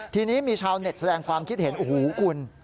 ทีนี้มีชาวเน็ตแสดงความคิดเห็นโอ้โหคุณ